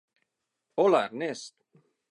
Hola, Ernest!